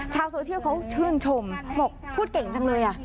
ชาวโซเชียลเขาชื่นชมบอกพูดเก่งจังเลย